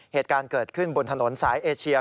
เหตุการณ์เกิดขึ้นบนถนนสายเอเชีย